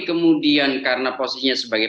kemudian karena posisinya sebagai